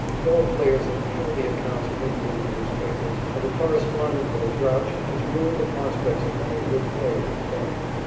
Ball players inhale the accounts printed in the newspapers, and a correspondent with a grouch has ruined the prospects of many a good player and club.